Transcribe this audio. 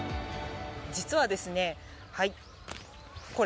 実はですねはい。